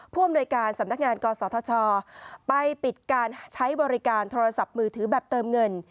ผู้อำนวยการสำนักงานกศธชไปปิดการใช้บริการโทรศัพท์มือถือแบบเติมเงิน